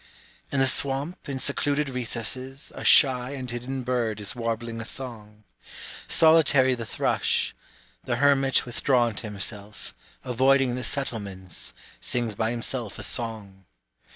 In the swamp in secluded recesses, A shy and hidden bird is warbling a song. Solitary the thrush, The hermit withdrawn to himself, avoiding the settlements, Sings by himself a song.